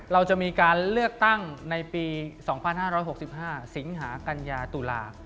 เราจะมีการเลือกตั้งในปี๒๕๖๕สิงหากัญญาตุลา